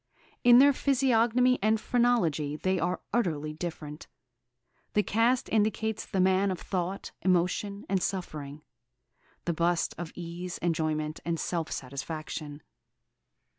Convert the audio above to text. In their physiognomy and phrenology they are utterly different. The cast indicates the man of thought, emotion, and suffering; the bust, of ease, enjoyment, and self satisfaction.